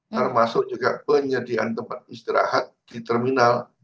termasuk juga penyediaan tempat istirahat di terminal